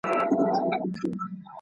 موږ چي قرآن کريم تاته وحيي کوو.